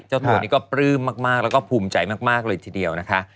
เจ้าตัวนี้ก็ปลื้มมากแล้วก็ภูมิใจมากเลยทีเดียวนะคะ